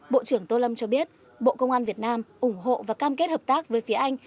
bộ trưởng tô lâm cho biết bộ công an việt nam ủng hộ và cam kết hợp tác với phía anh